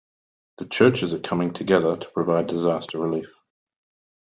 The churches are coming together to provide disaster relief.